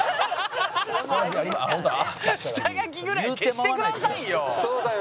下書きぐらい消してくださいよ！